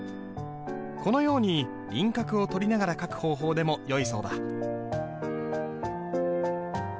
このように輪郭を取りながら書く方法でもよいそうだ。